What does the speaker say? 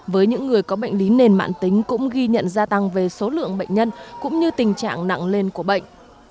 với những người có bệnh lý nền mạng tính cũng ghi nhận gia tăng về số lượng bệnh nhân cũng như tình trạng nặng lên của bệnh